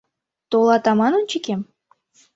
Толат аман ончыкем